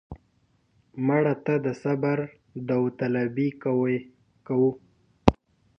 مړه ته د صبر داوطلبي کوو